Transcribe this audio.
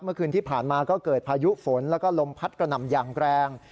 เมื่อคืนที่ผ่านมาก็เกิดพายุฝนแล้วก็ลมพัดกระหน่ำอย่างแรง